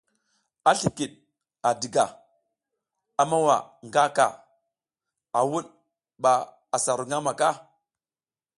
A slikid a diga, a mowa nga ka, a wud ba asa ru ngamaka.